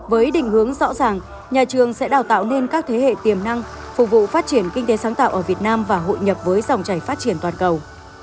với định hướng rõ ràng nhà trường sẽ đào tạo nên các thế hệ tiềm năng phục vụ phát triển kinh tế sáng tạo ở việt nam và hội nhập với dòng chảy phát triển toàn cầu